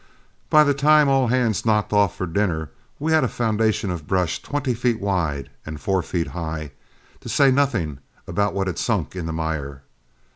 By the time all hands knocked off for dinner, we had a foundation of brush twenty feet wide and four feet high, to say nothing about what had sunk in the mire.